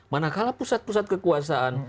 manakala pusat pusat kekuasaan